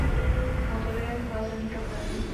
Motor je chlazený kapalinou.